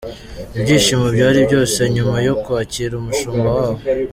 Ibyishimo byari byose nyuma yo kwakira umushumba wabo.